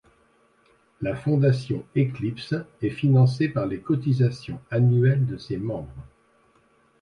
La fondation Eclipse est financée par les cotisations annuelles de ses membres.